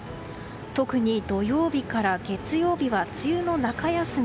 特に土曜日から月曜日は梅雨の中休み。